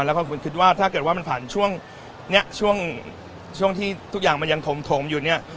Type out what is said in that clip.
แล้วก็คุณคิดว่าถ้าเกิดว่ามันผ่านช่วงนี้ช่วงที่ทุกอย่างมันยังถมอยู่เนี่ย